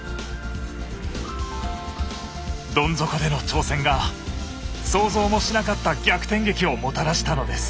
どん底での挑戦が想像もしなかった逆転劇をもたらしたのです。